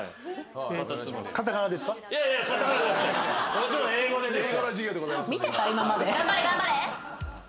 もちろん英語でですよ。